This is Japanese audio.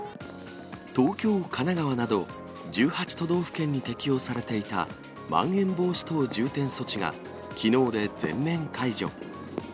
東京、神奈川など、１８都道府県に適用されていたまん延防止等重点措置が、きのうで全面解除。